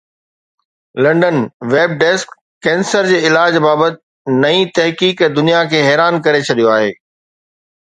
London (web desk) cancer جي علاج بابت نئين تحقيق دنيا کي حيران ڪري ڇڏيو آهي